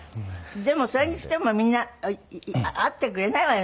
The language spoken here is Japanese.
でもそれにしてもみんな会ってくれないわよ